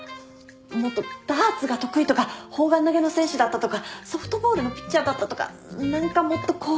もっとダーツが得意とか砲丸投げの選手だったとかソフトボールのピッチャーだったとか何かもっとこう。